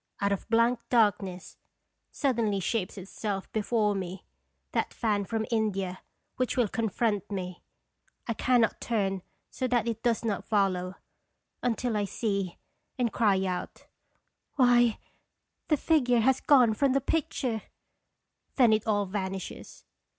Out of blank darkness suddenly shapes itself before me that fan from India, which will confront me. I can not turn so that it does not follow, until I see and cry out: " Why the figure has gone from the picture!" Then it all vanishes.